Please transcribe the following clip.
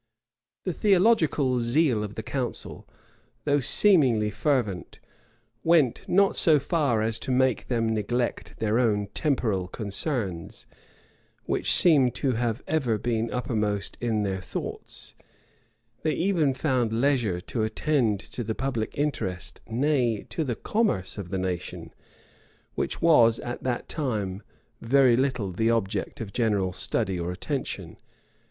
[*]* Article xviii. The theological zeal of the council, though seemingly fervent, went not so far as to make them neglect their own temporal concerns, which seem to have ever been uppermost in their thoughts: they even found leisure to attend to the public interest; nay, to the commerce of the nation, which was at that time very little the object of general study or attention.